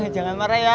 jangan marah ya